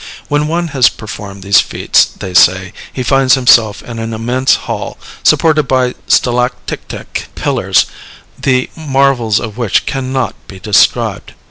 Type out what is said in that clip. When one has performed these feats, they said, he finds himself in an immense hall, supported by stalactitic pillars, the marvels of which cannot be described.